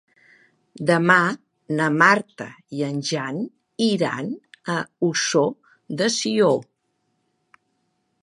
Demà na Marta i en Jan iran a Ossó de Sió.